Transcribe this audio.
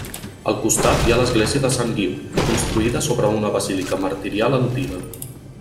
Al costat hi ha l'església de Sant Guiu, construïda sobre una basílica martirial antiga.